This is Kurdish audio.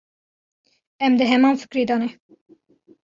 Em di heman fikrê de ne.